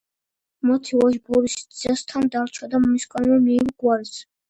მათი ვაჟი ბორისი, ძიძასთან დარჩა და მისგანვე მიიღო გვარიც.